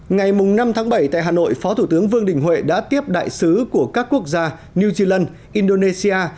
ngày năm tháng bảy tại hà nội phó thủ tướng vương đình huệ đã tiếp đại sứ của các quốc gia new zealand indonesia